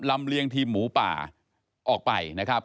เลียงทีมหมูป่าออกไปนะครับ